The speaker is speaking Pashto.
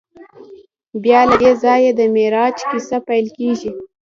بیا له دې ځایه د معراج کیسه پیل کېږي.